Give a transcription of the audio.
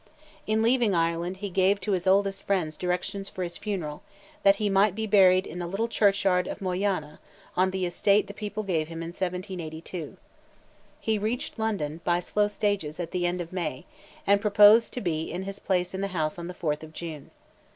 In leaving Ireland he gave to his oldest friends directions for his funeral—that he might be buried in the little churchyard of Moyanna, on the estate the people gave him in 1782! He reached London, by slow stages, at the end of May, and proposed to be in his place in the House on the 4th of June.